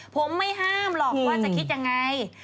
ผมไม่ห้ามหรอกว่าจะคิดยังไง